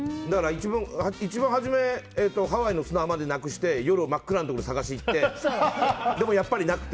一番初めハワイの砂浜でなくして夜真っ暗なところを捜しにいってでもやっぱりなくて。